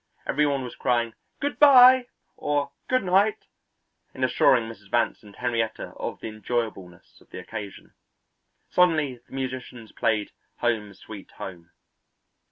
Every one was crying "Good bye" or "Good night!" and assuring Mrs. Vance and Henrietta of the enjoyableness of the occasion. Suddenly the musicians played "Home Sweet Home."